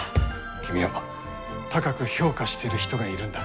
君を高く評価している人がいるんだ。